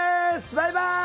バイバイ！